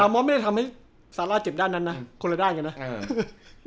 แต่ลามอทไม่ได้ทำให้ซาร่าเจ็บด้านนั้นนะคนละด้านอย่างนั้นนะ